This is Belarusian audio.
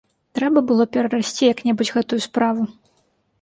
Трэба было перарасці як-небудзь гэтую справу.